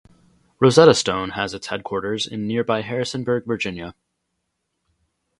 Rosetta Stone has its headquarters in nearby Harrisonburg, Virginia.